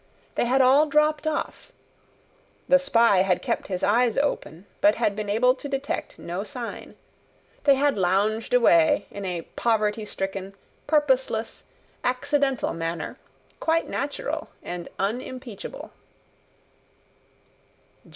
They had all dropped off. The spy had kept his eyes open, but had been able to detect no sign. They had lounged away in a poverty stricken, purposeless, accidental manner, quite natural and unimpeachable.